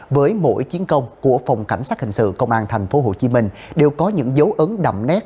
với mỗi chiến công của phòng cảnh sát hình sự công an tp hcm đều có những dấu ấn đậm nét